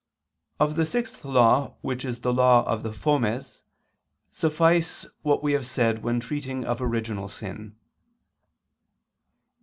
Of the sixth law which is the law of the fomes, suffice what we have said when treating of original sin.